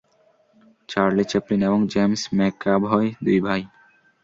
Charlie Chaplin এবং James McAvoy দুই ভাই।